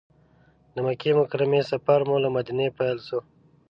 د مکې مکرمې سفر مو له مدینې پیل شو.